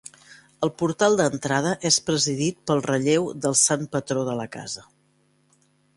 El portal d'entrada és presidit pel relleu del sant patró de la casa.